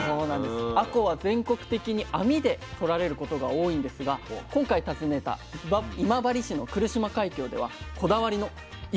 あこうは全国的に網でとられることが多いんですが今回訪ねた今治市の来島海峡ではこだわりの一本釣りが行われています。